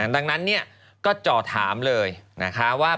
ดังนั้นเนี่ยก็จ่อถามเลยนะคะว่า